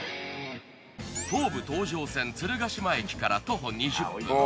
東武東上線鶴ヶ島駅から徒歩２０分。